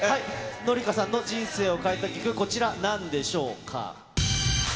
紀香さんの人生を変えた曲、こちら、なんでしょうか。